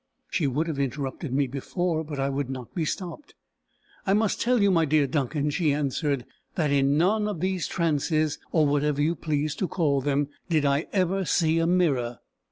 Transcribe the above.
She would have interrupted me before, but I would not be stopped. "I must tell you, my dear Duncan," she answered, "that in none of these trances, or whatever you please to call them, did I ever see a mirror.